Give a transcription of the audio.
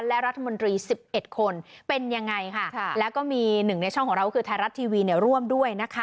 และรัฐมนตรี๑๑คนเป็นยังไงค่ะแล้วก็มีหนึ่งในช่องของเราก็คือไทยรัฐทีวีเนี่ยร่วมด้วยนะคะ